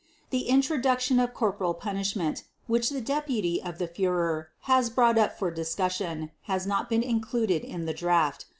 . The introduction of corporal punishment, which the deputy of the Führer has brought up for discussion has not been included in the draft.